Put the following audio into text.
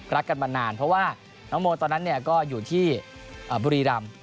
รักกันมานานเพราะว่าน้องโมตอนนั้นก็อยู่ที่บุรีรำ